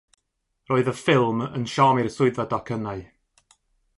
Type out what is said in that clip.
Roedd y ffilm yn siom i'r swyddfa docynnau.